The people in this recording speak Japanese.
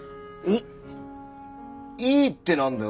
「いい」ってなんだよ。